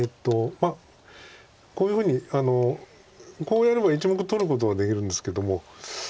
まあこういうふうにこうやれば１目取ることができるんですけども。